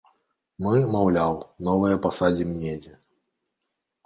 Мы, маўляў, новыя пасадзім недзе.